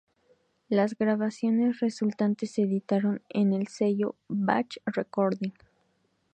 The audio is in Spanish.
Las grabaciones resultantes se editaron en el sello Bach Recording.